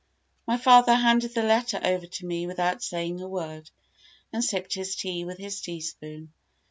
My father handed the letter over to me without saying a word, and sipped his tea with his tea spoon.